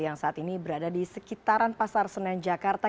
yang saat ini berada di sekitaran pasar senen jakarta